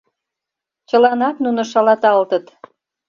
Чыланат нуно шалаталтыт